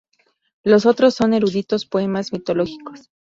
Los otros son eruditos poemas mitológicos.